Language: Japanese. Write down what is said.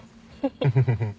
フフフフッ。